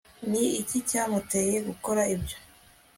ni iki cyamuteye gukora ibyo